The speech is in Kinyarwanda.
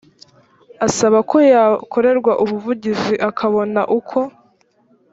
asaba ko yakorerwa ubuvugizi akabona uko